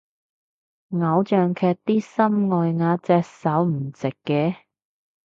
偶像劇啲心外壓隻手唔直嘅